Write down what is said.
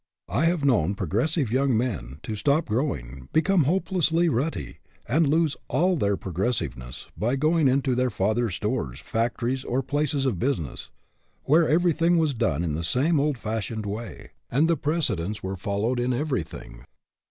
I have known progressive young men to stop growing, become hopelessly rutty, and lose all their progressiveness by going into their fathers' stores, factories, or places of business, where everything was done in the same old fashioned way, and precedents were followed in everything.